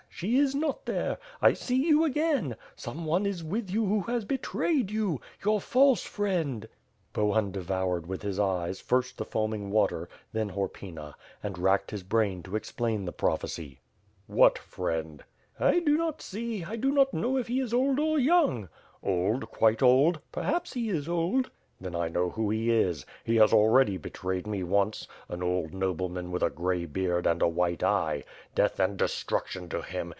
"She is not there. I see you again. Some one is with you who has betrayed you. Your false friend." mTH PIRE A2fD SWORD. 4^7 Bohun devoured with his eyes, first the foaming water, then Horpyna; and racked his brain to explain the prophecy. "What friend/' "I do not see. I do not know if he is old or young/' "Old; quite oldr "Perhaps he is old/' "Then I know who he is. He has already betrayed me once; an old nobleman with a grey beard and a white eye. Death and destruction to him!